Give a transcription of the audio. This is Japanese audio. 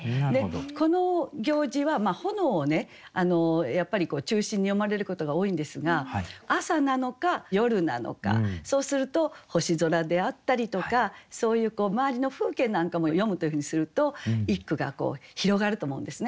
この行事は炎をねやっぱり中心に詠まれることが多いんですが朝なのか夜なのかそうすると星空であったりとかそういう周りの風景なんかも詠むというふうにすると一句が広がると思うんですね。